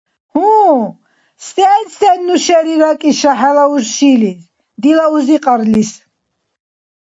Гьу, сен-сен ну шери ракӀиша хӀела уршилис, дила узикьарлис?